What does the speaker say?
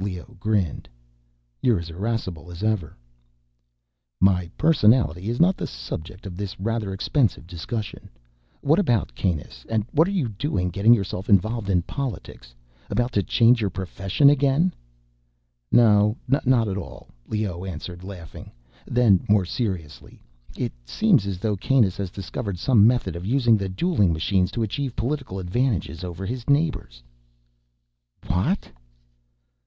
Leoh grinned. "You're as irascible as ever." "My personality is not the subject of this rather expensive discussion. What about Kanus? And what are you doing, getting yourself involved in politics? About to change your profession again?" "No, not at all," Leoh answered, laughing. Then, more seriously. "It seems as though Kanus has discovered some method of using the dueling machines to achieve political advantages over his neighbors." "What?"